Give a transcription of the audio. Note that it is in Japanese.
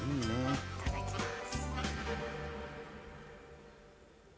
いただきます。